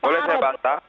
boleh saya bantah